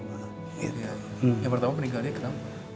yang pertama meninggalnya kenapa